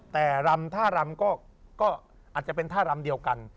แต่รำท่ารำก็อาจจะเป็นท่ารำเดียวกัน